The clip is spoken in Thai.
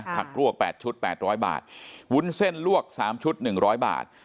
ลวก๘ชุด๘๐๐บาทวุ้นเส้นลวก๓ชุด๑๐๐บาท